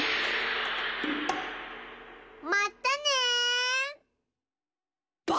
まったね！